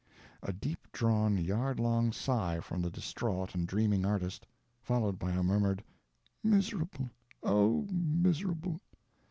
A deep drawn yard long sigh from the distraught and dreaming artist, followed by a murmured, "Miserable, oh, miserable!"